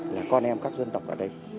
là con em các dân tộc ở đây